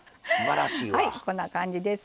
はいこんな感じです。